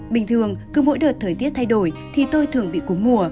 bình thường cứ mỗi đợt thời tiết thay đổi thì tôi thường bị cú mùa